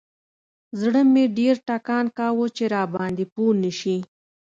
زړه مې ډېر ټکان کاوه چې راباندې پوه نسي.